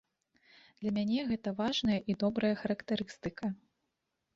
Для мяне гэта важная і добрая характарыстыка.